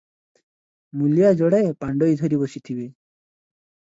ମୂଲିଆ ଯୋଡ଼ାଏ ପାଣ୍ଡୋଇ ଧରି ବସିଥିବେ ।